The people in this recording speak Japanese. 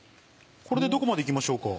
これでどこまで行きましょうか？